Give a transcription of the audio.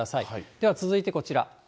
では続いてこちら。